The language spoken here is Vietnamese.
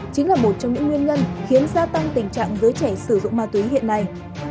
chính là một trong những nguyên nhân khiến gia tăng tình trạng giới trẻ sử dụng ma túy hiện nay